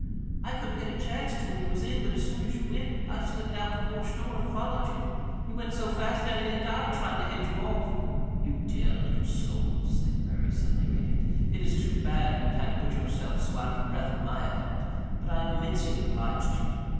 I couldn't get a chanst when you was in, but as soon as you went I slipped out by the porch door and followed you. You went so fast I near died trying to head you off." "You dear little soul," said Murray, suddenly radiant. "It is too bad you have had to put yourself so out of breath on my account. But I am immensely obliged to you.